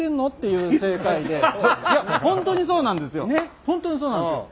いや本当にそうなんですよ。